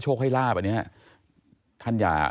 ซึ่งตอนนี้